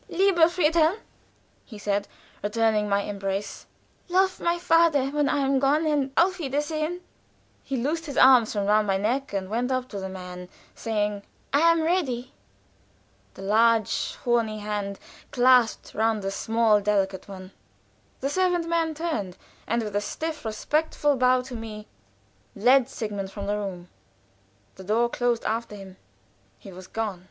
"Lieber Friedhelm!" he said, returning my embrace, "Love my father when I am gone. And auf auf wiedersehen!" He loosed his arms from round my neck and went up to the man, saying: "I am ready." The large horny hand clasped round the small delicate one. The servant man turned, and with a stiff, respectful bow to me, led Sigmund from the room. The door closed after him he was gone.